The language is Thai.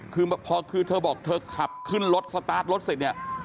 คือเธอบอกเธอขับขึ้นรถสตาร์ทรถเสร็จ